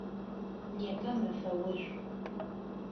Непэ мэфэ ошӏу.